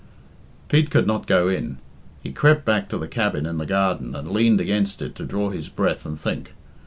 Pete could not go in. He crept back to the cabin in the garden and leaned against it to draw his breath and think.